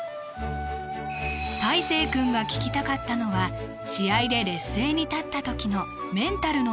たいせい君が聞きたかったのは試合で劣勢に立った時のメンタルの